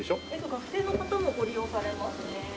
学生の方もご利用されますね。